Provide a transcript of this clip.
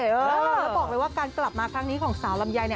บอกเลยว่ากลับมาทั้งนี้ของสาวลำไย